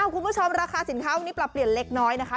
คุณผู้ชมราคาสินค้าวันนี้ปรับเปลี่ยนเล็กน้อยนะคะ